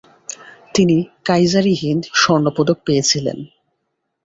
তিনি কাইজার-ই-হিন্দ স্বর্ণপদক পেয়েছিলেন।